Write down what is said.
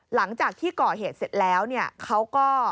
หลังจากที่ก่อเหตุเสร็จแล้วเนี่ยเขาก็